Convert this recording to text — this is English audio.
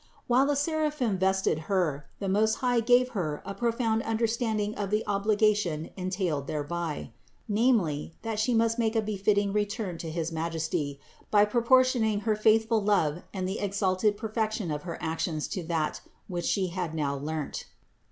While the seraphim vested Her, the Most High gave Her a pro found understanding of the obligation entailed thereby : namely, that She must make a befitting return to his Majesty, by proportioning her faithful love and the ex alted perfection of her actions to that, which She had now learnt.